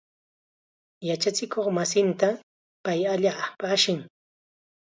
Yachakuqmasinta pay allaapam ashan.